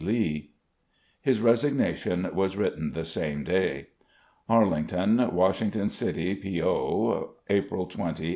Lee." His resignation was written the same day. "Arlington, Washington City P. O., April 20, 1861.